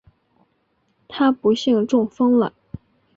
她不幸中风了